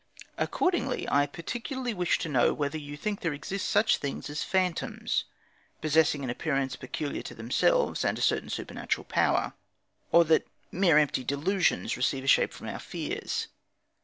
Accordingly, I particularly wish to know whether you think there exist such things as phantoms, possessing an appearance peculiar to themselves, and a certain supernatural power, or that mere empty delusions receive a shape from our fears.